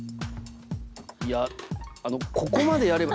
いやここまでやれば。